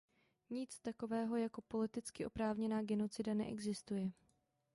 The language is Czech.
Nic takového jako politicky oprávněná genocida neexistuje.